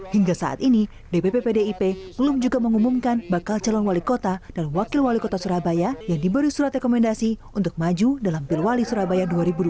hingga saat ini dpp pdip belum juga mengumumkan bakal calon wali kota dan wakil wali kota surabaya yang diberi surat rekomendasi untuk maju dalam pilwali surabaya dua ribu dua puluh